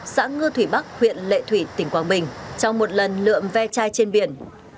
xã ngư thủy bắc huyện lệ thủy tỉnh quảng bình trong một lần lượm ve chai trên biển